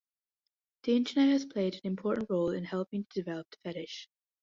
The internet has played an important role in helping to develop the fetish.